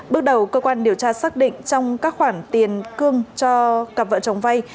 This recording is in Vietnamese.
bước đầu cơ quan điều tra xác định trong các khoản tiền cương cho cặp vợ chồng vay